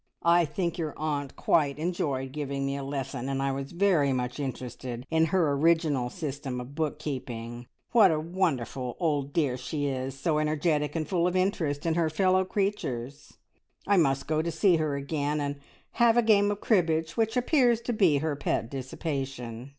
"I think your aunt quite enjoyed giving me a lesson, and I was very much interested in her original system of book keeping. What a wonderful old dear she is, so energetic and full of interest in her fellow creatures! I must go to see her again, and have a game of cribbage, which appears to be her pet dissipation.